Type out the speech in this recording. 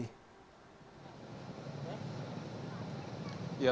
selamat sore yuda